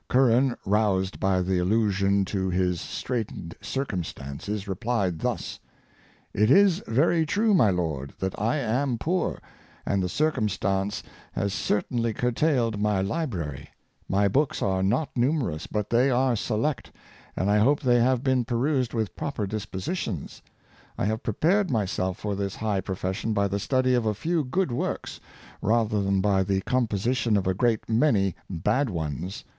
Curran, roused by the allusion to his straight ened circumstances, replied thus: "It is very true, my lord, that I am poor, and the circumstance has cer tainly curtailed my library; my books are not numer ous, but they are select, and I hope they have been perused with proper dispositions. I have prepared my self for this high profession by the study of a few good works, rather than by the composition of a great many bad ones.